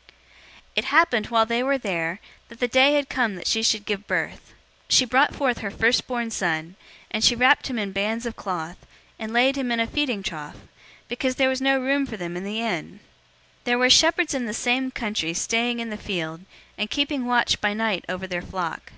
002:006 It happened, while they were there, that the day had come that she should give birth. 002:007 She brought forth her firstborn son, and she wrapped him in bands of cloth, and laid him in a feeding trough, because there was no room for them in the inn. 002:008 There were shepherds in the same country staying in the field, and keeping watch by night over their flock.